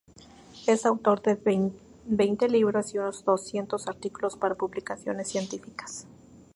Es autor de veinte libros y unos doscientos artículos para publicaciones científicas.